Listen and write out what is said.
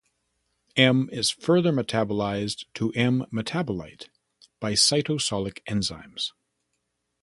M is further metabolized to M metabolite by cytosolic enzymes.